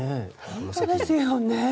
本当ですよね。